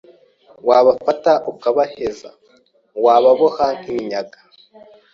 Wabafata ukabaheza Wababoha nk'iminyaga